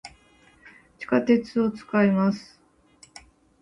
地下鉄を、使います。